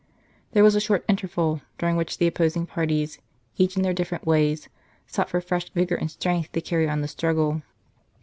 There was a short interval, during which the opposing parties, each in their different ways, sought for fresh vigour and strength to carry on the struggle.